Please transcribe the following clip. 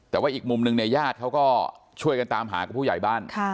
แต่ว่าอีกมุมนึงเนี่ยญาติเขาก็ช่วยกันตามหากับผู้ใหญ่บ้าน